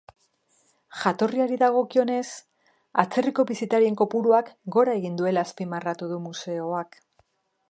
Jatorriari dagokionez, atzerriko bisitarien kopuruak gora egin duela azpimarratu du museoak.